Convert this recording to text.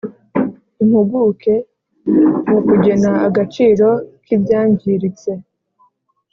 impuguke mu kugena agaciro kíbyangiritse;